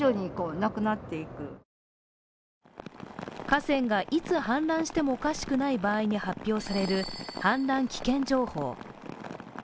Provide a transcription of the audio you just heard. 河川がいつ氾濫してもおかしくない場合に発表される氾濫危険情報。